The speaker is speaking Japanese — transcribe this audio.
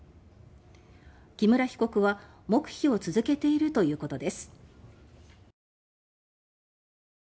木村被告は黙秘を続けているということです。